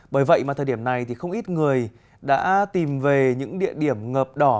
bởi vậy mà thời điểm này thì không ít người đã tìm về những địa điểm ngợp đỏ